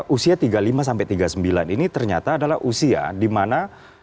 usia tiga puluh lima sampai tiga puluh sembilan ini ternyata adalah usia di mana